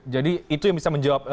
jadi itu yang bisa menjawab